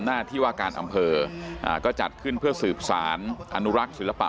หน้าที่ว่าการอำเภอก็จัดขึ้นเพื่อสืบสารอนุรักษ์ศิลปะ